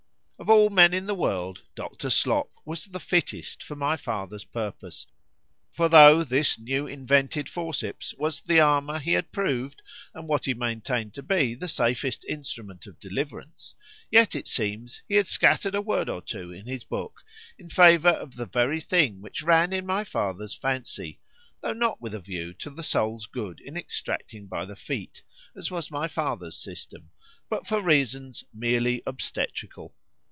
Of all men in the world, Dr. Slop was the fittest for my father's purpose;——for though this new invented forceps was the armour he had proved, and what he maintained to be the safest instrument of deliverance, yet, it seems, he had scattered a word or two in his book, in favour of the very thing which ran in my father's fancy;——tho' not with a view to the soul's good in extracting by the feet, as was my father's system,—but for reasons merely obstetrical.